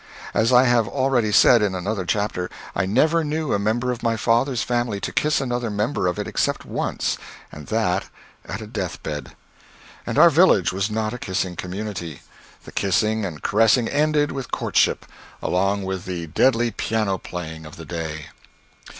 As I have already said, in another chapter, I never knew a member of my father's family to kiss another member of it except once, and that at a death bed. And our village was not a kissing community. The kissing and caressing ended with courtship along with the deadly piano playing of that day.